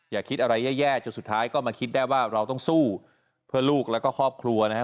อย่าคิดอะไรแย่จนสุดท้ายก็มาคิดได้ว่าเราต้องสู้เพื่อลูกแล้วก็ครอบครัวนะฮะ